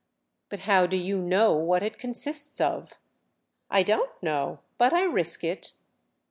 "But how do you know what it consists of?" "I don't know. But I risk it."